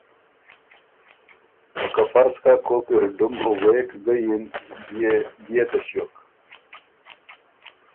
او که فرض کۀ کوک اِر ډُم غوېک ګۀ یِن بيې بيې څۀ ݭیوک؟